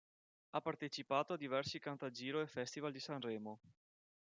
Ha partecipato a diversi Cantagiro e Festival di Sanremo.